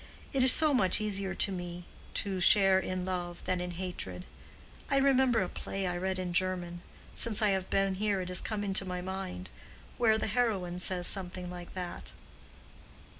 It is so much easier to me to share in love than in hatred. I remember a play I read in German—since I have been here it has come into my mind—where the heroine says something like that."